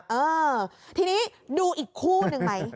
เออทีนี้ดูอีกคู่หนึ่งไหม